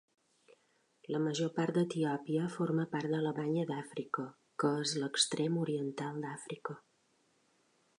La major part d'Etiòpia forma part de la Banya d'Àfrica, que és l'extrem oriental d'Àfrica.